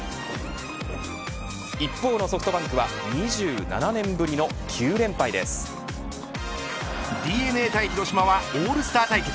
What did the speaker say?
一方のソフトバンクは２７年ぶりのＤｅＮＡ対広島はオールスター対決。